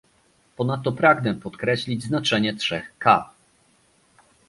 Ponadto pragnę podkreślić znaczenie trzech "k"